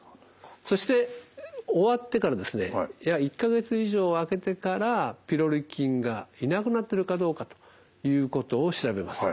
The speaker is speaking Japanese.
そして終わってから１か月以上空けてからピロリ菌がいなくなってるかどうかということを調べます。